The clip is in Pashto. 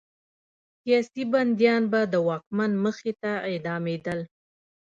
سیاسي بندیان به د واکمن مخې ته اعدامېدل.